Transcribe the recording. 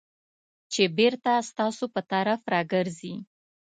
چې بېرته ستاسو په طرف راګرځي .